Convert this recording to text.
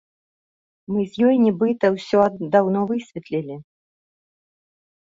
Мы з ёй, нібыта, усё даўно высветлілі.